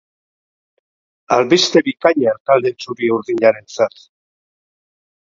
Albiste bikaina talde txuri-urdinarentzat.